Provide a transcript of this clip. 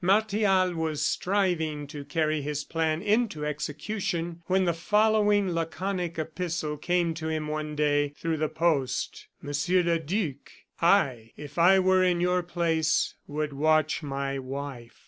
Martial was striving to carry his plan into execution, when the following laconic epistle came to him one day through the post: "Monsieur le Duc I, if I were in your place, would watch my wife."